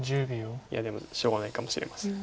いやでもしょうがないかもしれません。